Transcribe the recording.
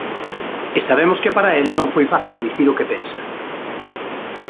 E sabemos que para el non foi fácil dicir o que pensa.